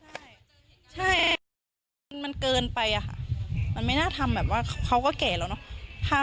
ใช่ใช่มันเกินไปอะค่ะมันไม่น่าทำแบบว่าเขาก็แก่แล้วเนอะ